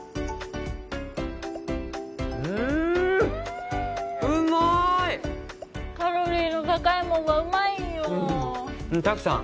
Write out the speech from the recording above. うんうんうまいカロリーの高いもんはうまいんよ拓さん